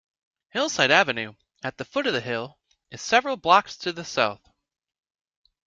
Hillside Avenue, at the foot of the hill, is several blocks to the south.